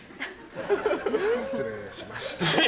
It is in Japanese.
失礼しました。